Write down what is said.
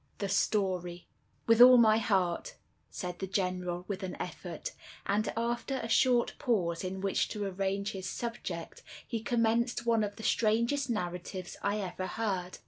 The Story With all my heart," said the General, with an effort; and after a short pause in which to arrange his subject, he commenced one of the strangest narratives I ever heard.